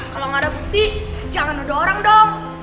kalau gak ada bukti jangan nuduh orang dong